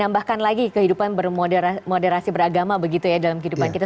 dan kemudian lagi kehidupan moderasi beragama begitu ya dalam kehidupan kita